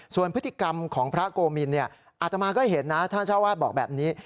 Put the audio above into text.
ส่วนพฤติกรรมของพระโกมินอาตมาก็เห็นนะท่านเจ้าวาดบอกแบบนี้